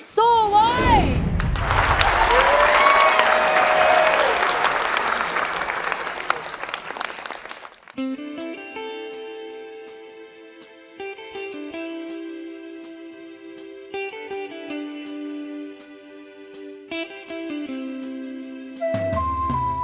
สู้เว้ย